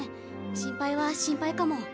心配は心配かも。